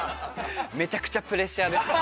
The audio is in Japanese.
めちゃくちゃプレッシャーです。